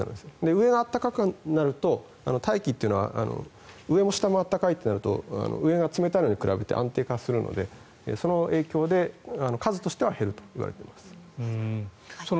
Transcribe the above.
上が暖かくなると大気というのは上も下も暖かいとなると上が冷たいのに比べて安定するので、その影響で数としては減るといわれています。